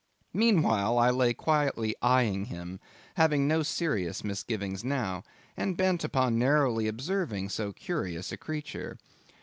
Meanwhile, I lay quietly eyeing him, having no serious misgivings now, and bent upon narrowly observing so curious a creature.